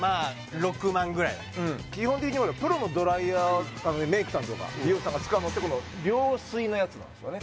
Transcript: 基本的にプロのドライヤーメイクさんとか美容師さんが使うのって両吸いのやつなんですよね